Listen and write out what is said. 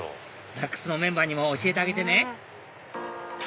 ナックスのメンバーにも教えてあげてね